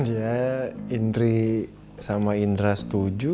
ya indri sama indra setuju